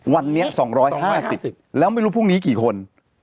วันนี้๒๕๐แล้วไม่รู้พรุ่งนี้กี่คน